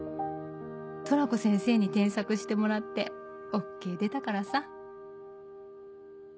トラコ先生に添削してもらってＯＫ出たからさ」。